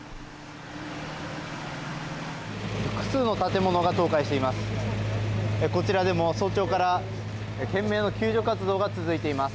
複数の建物が倒壊しています。